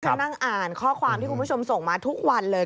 นั่งอ่านข้อความที่คุณผู้ชมส่งมาทุกวันเลย